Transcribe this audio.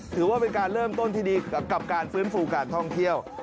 ถือว่าเป็นการเริ่มต้นที่ดีกับการฟื้นฟูการท่องเที่ยว